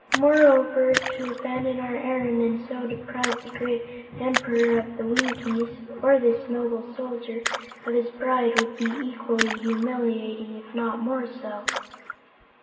Moreover, to abandon our errand and so deprive the great Emperor of the Winkies or this noble Soldier of his bride, would be equally humiliating, if not more so."